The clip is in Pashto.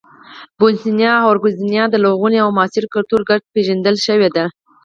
بوسنیا او هرزګوینا د لرغوني او معاصر کلتور ګډه پېژندل شوې ده.